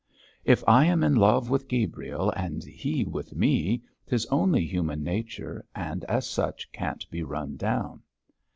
If I am in love with Gabriel, and he with me, 'tis only human nature, and as such can't be run down.'